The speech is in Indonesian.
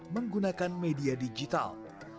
menggunakan media digital